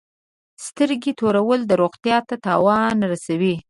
سترګي تورول روغتیا ته تاوان رسوي.